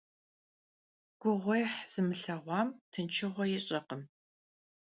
Guğuêh zımılheğuam tınşşığue yiş'erkhım.